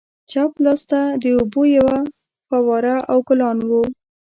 چپ لاسته د اوبو یوه فواره او ګلان وو.